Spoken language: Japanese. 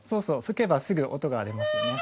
吹けばすぐ音が出ますよね。